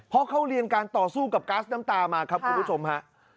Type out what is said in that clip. เพราะเขาเรียนการต่อสู้กับก๊าซน้ำตามาครับคุณผู้ชมฮะ